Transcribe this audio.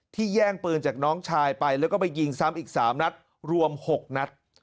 แย่งปืนจากน้องชายไปแล้วก็ไปยิงซ้ำอีก๓นัดรวม๖นัด